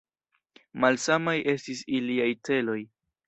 Malsamaj estis iliaj celoj.